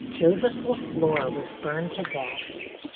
Joseph Leflore was burned to death.